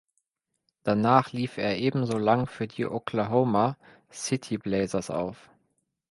Danach lief er ebenso lang für die Oklahoma City Blazers auf.